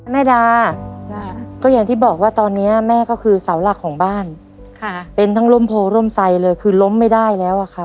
ดาก็อย่างที่บอกว่าตอนนี้แม่ก็คือเสาหลักของบ้านค่ะเป็นทั้งร่มโพร่มไซเลยคือล้มไม่ได้แล้วอะครับ